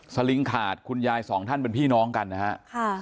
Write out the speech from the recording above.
ลิงขาดคุณยายสองท่านเป็นพี่น้องกันนะฮะ